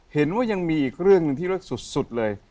เห็นว่ายังมีอีกเรื่องหนึ่งที่เลิศสุดเลย